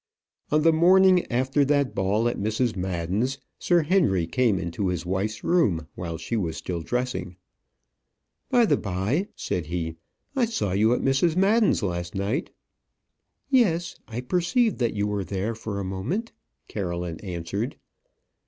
On the morning after that ball at Mrs. Madden's, Sir Henry came into his wife's room while she was still dressing. "By the by," said he, "I saw you at Mrs. Madden's last night." "Yes; I perceived that you were there for a moment," Caroline answered.